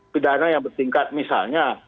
pidana yang bertingkat misalnya